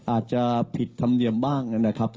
อาจจะผิดธรรมเนียมบ้างนะครับ